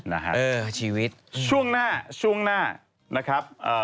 นะครับชีวิตอืมช่วงหน้าช่วงหน้านะครับ